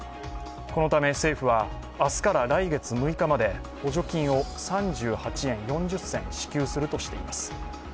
このため政府は明日から来月６日まで補助金を３８円４０銭支給するとしています。